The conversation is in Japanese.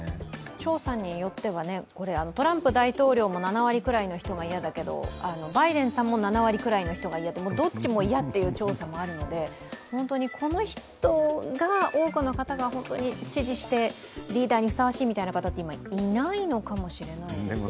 調査によってはトランプ大統領も７割くらいの人が嫌だけどバイデンさんも７割くらいの人が嫌で、どっちも嫌っていう調査もあるので、本当にこの人が多くの方が本当に支持してリーダーにふさわしいみたいな方、いないかもしれないですよね。